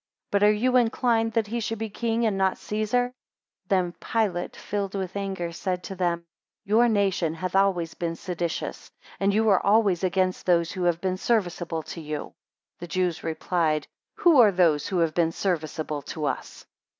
But are you inclined that he should be king, and not Caesar? 9 Then Pilate filled with anger said to them, Your nation hath always been seditious, and you are always against those who have been serviceable to you. 10 The Jews replied, Who are those who have been serviceable to us?